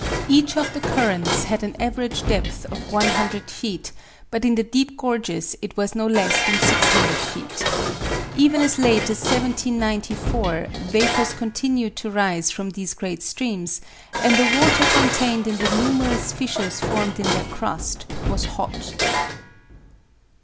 Each of the currents had an average depth of 100 feet, but in the deep gorges it was no less than 600 feet. Even as late as 1794 vapors continued to rise from these great streams, and the water contained in the numerous fissures formed in their crust was hot.